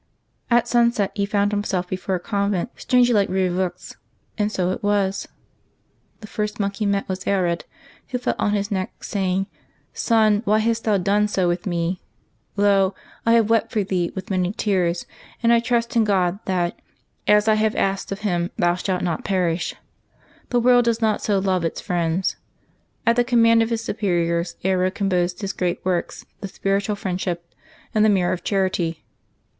At sunset he found himself before a convent strangely like Eieveaux, and so it was. The first monk he met was Aelred, who fell on his neck, saying, " Son, why hast thou done so with me ? Lo ! I have wept for thee with many tears, and I trust in God that, as I have asked of Him, thou shalt not perish.' The world does not so love its friends. At the conmaand of his superiors Aelred composed his great works, the Spiritual Friendship and the Mirror of Charity.